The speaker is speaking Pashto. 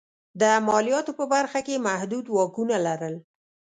د مالیاتو په برخه کې یې محدود واکونه لرل.